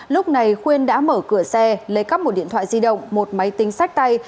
lúc này khuyên đã mở cửa xe lấy cắp một điện thoại di động một máy tính sách tay